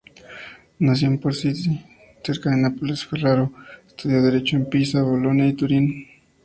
Nacido en Portici, cerca de Nápoles, Ferraro estudió Derecho en Pisa, Bolonia y Turín.